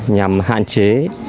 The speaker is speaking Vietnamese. nhằm hạn chế